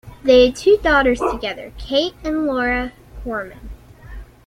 They had two daughters together, Kate and Laura Korman.